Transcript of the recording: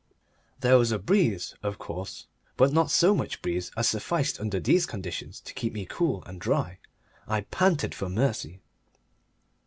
There was a breeze, of course, but not so much breeze as sufficed under these conditions to keep me cool and dry. I panted for mercy.